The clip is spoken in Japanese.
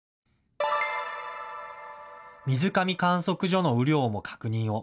水上観測所の雨量も確認を。